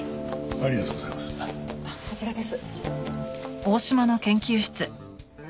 あっこちらです。